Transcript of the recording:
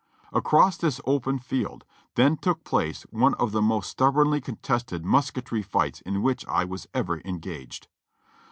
Across this open field then took place one of the most stubbornly contested niusketry fights in which I was ever engaged.